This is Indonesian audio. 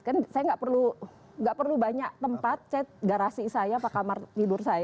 kan saya nggak perlu banyak tempat chat garasi saya apa kamar tidur saya